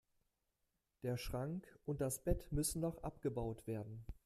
Der Schrank und das Bett müssen noch abgebaut werden.